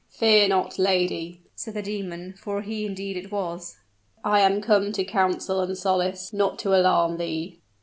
"Fear not, lady," said the demon, for he indeed it was; "I am come to counsel and solace, not to alarm thee."